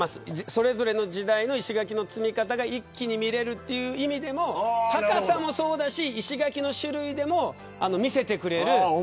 それぞれの時代の石垣の積み方が一気に見れるという意味でも高さもそうだし石垣の種類でも見せてくれる。